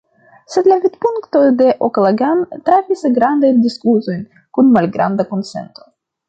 Sed la vidpunkto de O’Callaghan trafis grandajn diskutojn kun malgranda konsento.